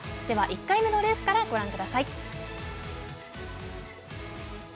では、１回目のレースからご覧ください。